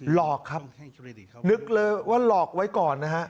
หลอกครับนึกเลยว่าหลอกไว้ก่อนนะฮะ